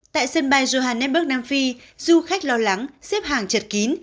tại sân bay johannesburg nam phi du khách lo lắng xếp hàng chật kín